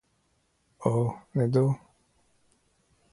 Ho ne do!